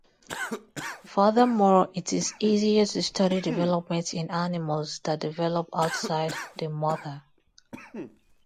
Furthermore, it is easier to study development in animals that develop outside the mother.